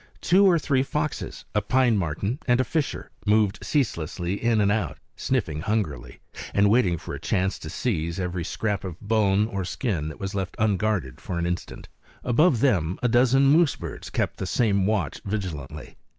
Two or three foxes, a pine marten, and a fisher moved ceaselessly in and out, sniffing hungrily, and waiting for a chance to seize every scrap of bone or skin that was left unguarded for an instant. Above them a dozen moose birds kept the same watch vigilantly.